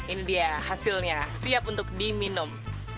ini dia hasilnya siap untuk diminum